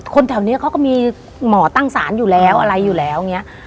คนแถวนี้เขาก็มีหมอตั้งศาลอยู่แล้วอะไรอยู่แล้ว